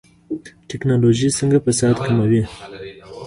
ټکنالوژي څنګه فساد کموي؟